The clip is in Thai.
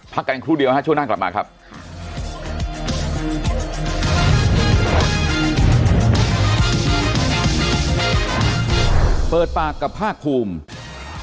เปิดปากกับพากภูมิ